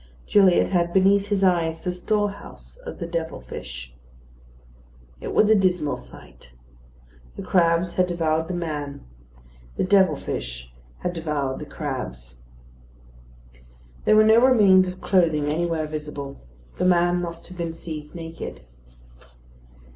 Gilliatt had beneath his eyes the storehouse of the devil fish. It was a dismal sight. The crabs had devoured the man: the devil fish had devoured the crabs. There were no remains of clothing anywhere visible. The man must have been seized naked.